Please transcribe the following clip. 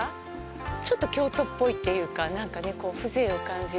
ちょっと京都っぽいというかなんか風情を感じる。